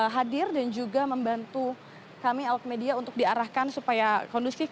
hadir dan juga membantu kami awak media untuk diarahkan supaya kondusif